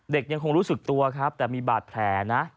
ยังคงรู้สึกตัวครับแต่มีบาดแผลนะ